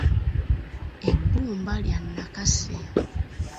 Ebbumba lya nakase.